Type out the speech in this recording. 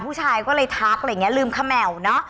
ผู้ชายก็เลยทักอะไรอย่างนี้ลืมเขม่าวเนอะ